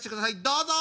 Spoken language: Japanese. どうぞ！